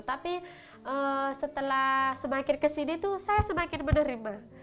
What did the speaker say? tapi setelah semakin kesini tuh saya semakin berderibah